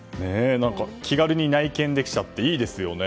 気軽に内見できちゃっていいですよね。